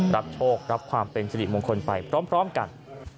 รับโชครับความเป็นสิริมงคลไปพร้อมกัน